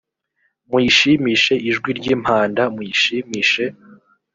muyishimishe ijwi ry impanda muyishimishe